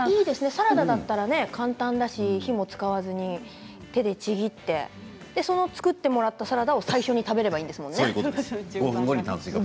サラダだったら簡単で火も使わずに手でちぎって作ってもらったサラダを最初に食べればいいんですもんね。